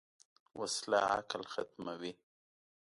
وسله عقل ختموي